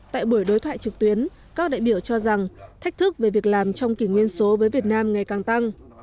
tại buổi đối thoại trực tuyến các đại biểu cho rằng thách thức về việc làm trong kỷ nguyên số với việt nam ngày càng tăng